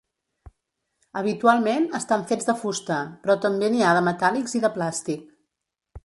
Habitualment estan fets de fusta, però també n'hi ha de metàl·lics i de plàstic.